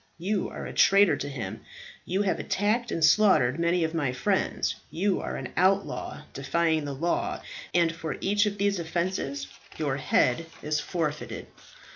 You are a traitor to him; you have attacked and slaughtered many of my friends; you are an outlaw defying the law; and for each of these offences your head is forfeited."